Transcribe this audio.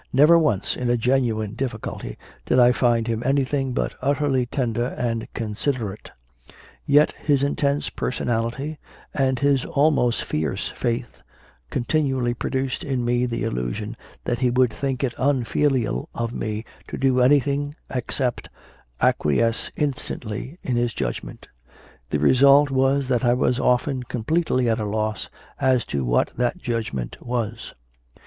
Never once, in a genuine difficulty, did I find him anything but utterly tender and considerate; yet his intense personality and his almost fierce faith continually produced in me the illusion that he would think it unfilial for me to do anything except acquiesce in stantly in his judgment; the result was that I was often completely at a loss as to what that judgment was.